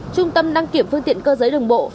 trung tâm đăng kiểm phương tiện cơ giới đường bộ